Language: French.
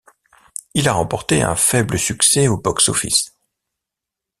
Il a remporté un faible succès au Box Office.